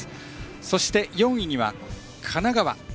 そして４位には神奈川。